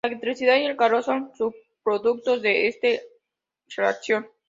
La electricidad y el calor son subproductos de esta reacción.